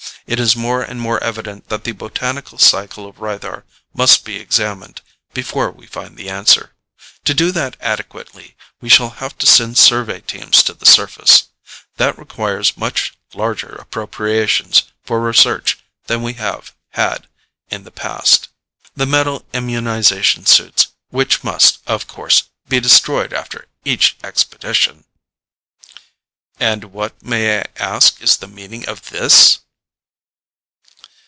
It is more and more evident that the botanical cycle of Rythar must be examined before we find the answer. To do that adequately, we shall have to send survey teams to the surface; that requires much larger appropriations for research than we have had in the past. The metal immunization suits, which must, of course, be destroyed after each expedition " "And what, may I ask, is the meaning of this?"